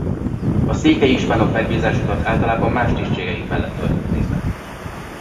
A székely ispánok megbízásukat általában más tisztségeik mellett töltötték be.